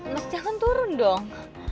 mas jangan turun dong